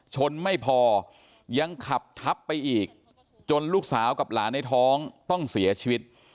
ไม่พอยังขับทับไปอีกจนลูกสาวกับหลานในท้องต้องเสียชีวิต